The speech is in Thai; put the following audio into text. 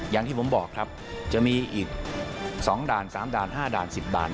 อย่างที่ผมบอกครับจะมีอีก๒ด่าน๓ด่าน๕ด่าน๑๐ด่าน